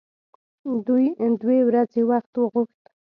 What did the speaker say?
دوی دوې ورځې وخت وغوښت.